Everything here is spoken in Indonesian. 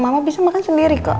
mama bisa makan sendiri kok